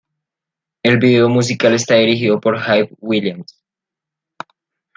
El vídeo musical está dirigido por Hype Williams.